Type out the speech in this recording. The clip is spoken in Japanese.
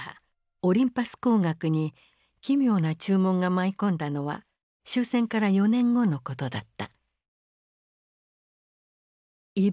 オリンパス光学に奇妙な注文が舞い込んだのは終戦から４年後のことだった。